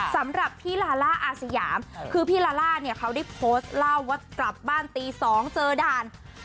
สำหรับพี่ลาล่าอาสยามคือพี่ลาล่าเนี่ยเขาได้โพสต์เล่าว่ากลับบ้านตี๒เจอด่าน